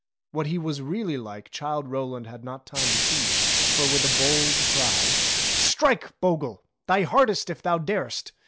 What he was really like Childe Rowland had not time to see, for with a bold cry : "Strike, Bogle! thy hardest if thou dar'st